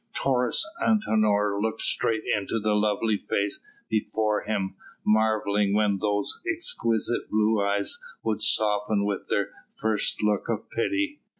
Taurus Antinor looked straight into the lovely face before him, marvelling when those exquisite blue eyes would soften with their first look of pity.